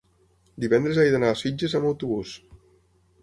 divendres he d'anar a Sitges amb autobús.